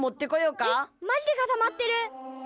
えマジでかたまってる。